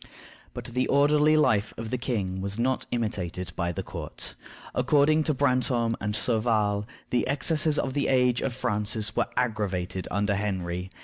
But the orderly life of the king was not imitated by the court. According to Brantome and Sauval, the excesses of the age of Francis were aggravated under Henry.